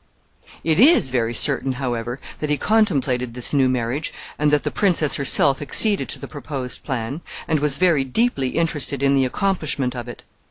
It is very certain, however, that he contemplated this new marriage, and that the princess herself acceded to the proposed plan, and was very deeply interested in the accomplishment of it.